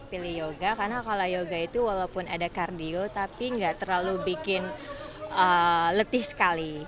pilih yoga karena kalau yoga itu walaupun ada kardio tapi nggak terlalu bikin letih sekali